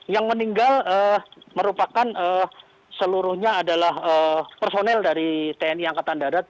yang meninggal merupakan seluruhnya adalah personel dari tni angkatan darat